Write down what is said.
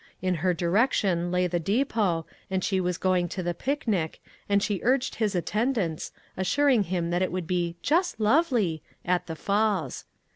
In her direction lay the depot, and she was going to the picnic, and she urged his attendance, assuring him that it would be " just lovely " at the falls.